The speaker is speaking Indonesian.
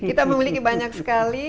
kita memiliki banyak sekali